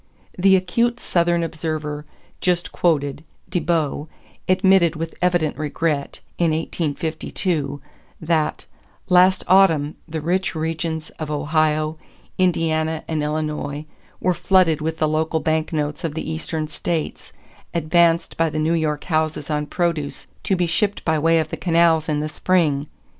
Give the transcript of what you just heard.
The acute Southern observer just quoted, De Bow, admitted with evident regret, in 1852, that "last autumn, the rich regions of Ohio, Indiana, and Illinois were flooded with the local bank notes of the Eastern States, advanced by the New York houses on produce to be shipped by way of the canals in the spring....